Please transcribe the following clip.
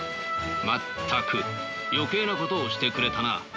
全く余計なことをしてくれたな。